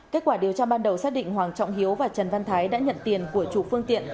kết quả điều tra ban đầu xác định hoàng trọng hiếu và trần văn thái đã nhận tiền của chủ phương tiện